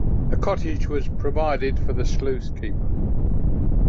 A cottage was provided for the sluice keeper.